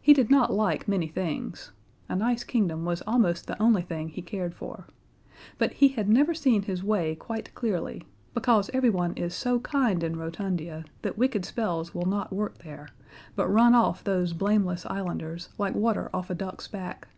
He did not like many things a nice kingdom was almost the only thing he cared for but he had never seen his way quite clearly, because everyone is so kind in Rotundia that wicked spells will not work there, but run off those blameless islanders like water off a duck's back.